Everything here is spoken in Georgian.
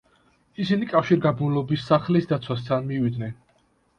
ისინი კავშირგაბმულობის სახლის დაცვასთან მივიდნენ.